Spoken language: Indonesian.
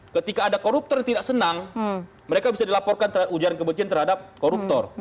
ketika ada koruptor yang tidak senang mereka bisa dilaporkan terhadap ujaran kebencian terhadap koruptor